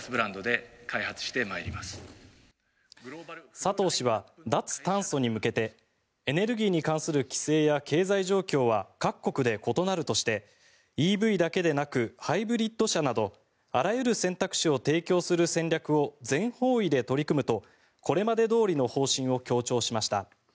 佐藤氏は脱炭素に向けてエネルギーに関する規制や経済状況は各国で異なるとしてＥＶだけでなくハイブリッド車などあらゆる選択肢を提供する戦略を全方位で取り組むとこれまでどおりの方針を強調しました。